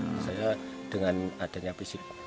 misalnya dengan adanya fisik